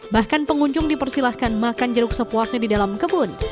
bahkan pengunjung dipersilahkan makan jeruk sepuasnya di dalam kebun